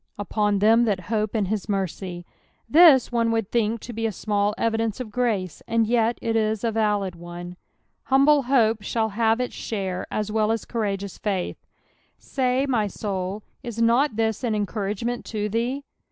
" Upon them that hops in hit mfrey." Thig^nu would think to be a small evidence of grace, and yetjc is a valid one. (fumble hope shall have its share as well as courageous fsit^ Say, my soul, is not this sn encour agement to thee